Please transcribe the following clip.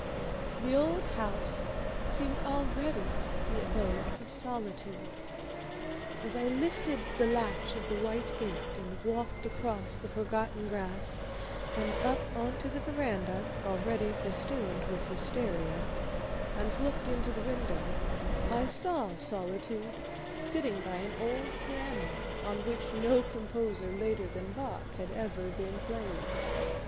The old house seemed already the abode of Solitude. As I lifted the latch of the white gate and walked across the forgotten grass, and up on to the veranda already festooned with wistaria, and looked into the window, I saw Solitude sitting by an old piano, on which no composer later than Bach had ever been played.